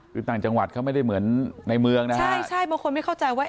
คือต่างจังหวัดเขาไม่ได้เหมือนในเมืองนะใช่ใช่บางคนไม่เข้าใจว่า